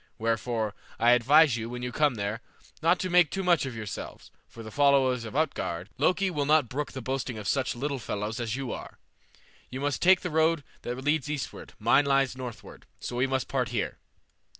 Wherefore, I advise you, when you come there, not to make too much of yourselves, for the followers of Utgard Loki will not brook the boasting of such little fellows as you are. You must take the road that leads eastward, mine lies northward, so we must part here."